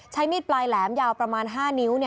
มีดปลายแหลมยาวประมาณ๕นิ้ว